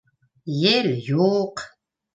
Ел юҡ.